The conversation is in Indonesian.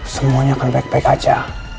semuanya akan baik baik aja